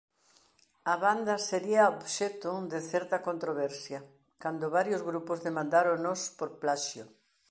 A banda sería obxecto de certa controversia cando varios grupos demandáronos por plaxio.